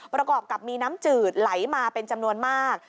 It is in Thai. ประกอบกับมีน้ำจืดไหลมาเป็นจำนวนมาก